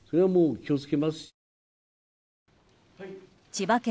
千葉県